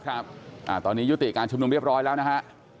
ครับตอนนี้ยุติการชุมนุมเรียบร้อยแล้วนะฮะ